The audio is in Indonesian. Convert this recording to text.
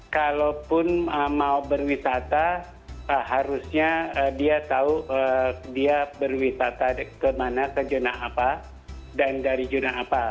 kalaupun mau berwisata harusnya dia tahu dia berwisata ke mana ke zona apa dan dari zona apa